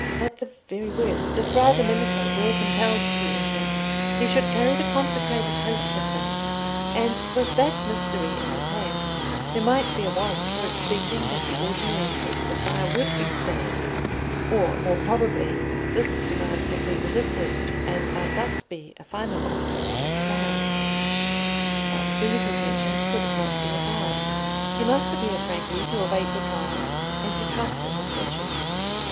At the very worst, if Fra Domenico were compelled to enter, he should carry the consecrated Host with him, and with that Mystery in his hand, there might be a warrant for expecting that the ordinary effects of fire would be stayed; or, more probably, this demand would be resisted, and might thus be a final obstacle to the trial. But these intentions could not be avowed: he must appear frankly to await the trial, and to trust in its issue.